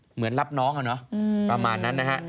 เหมือนรับน้องอะเนาะประมาณนั้นนะฮะ